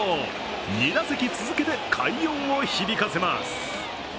２打席続けて快音を響かせます。